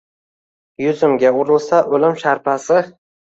Yuzimga urilsa ulim sharpasi